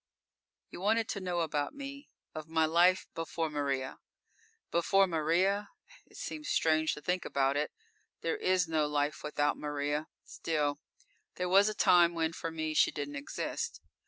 _You wanted to know about me of my life before Maria. Before Maria? It seems strange to think about it. There is no life without Maria. Still, there was a time when for me she didn't exist.